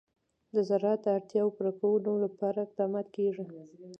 د زراعت د اړتیاوو پوره کولو لپاره اقدامات کېږي.